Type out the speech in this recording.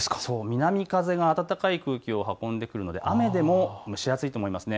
南風が暖かい空気を運んでくるので雨でも蒸し暑いと思います。